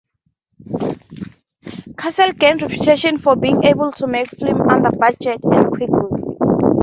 Castle gained a reputation for being able to make films under budget and quickly.